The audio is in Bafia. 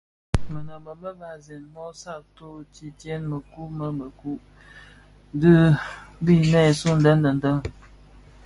Mënôbö më vasèn mö satü tidyëk mëku lè mëku dhi binèsun deň deň deň.